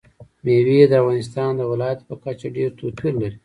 مېوې د افغانستان د ولایاتو په کچه ډېر توپیر لري.